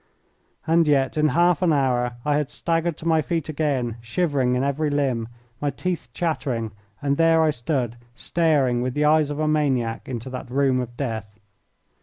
And yet in half an hour I had staggered to my feet again, shivering in every limb, my teeth chattering, and there I stood staring with the eyes of a maniac into that room of death.